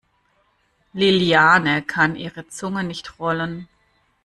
Liliane kann ihre Zunge nicht rollen.